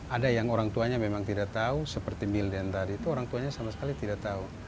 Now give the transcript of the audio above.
ada yang orang tuanya memang tidak tahu seperti milden tadi itu orang tuanya sama sekali tidak tahu